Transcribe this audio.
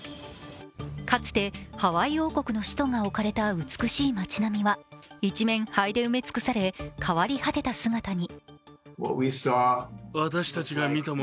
かつてハワイ王国の首都が置かれた美しい街並みは一面灰で埋め尽くされ、変わり果てた姿に。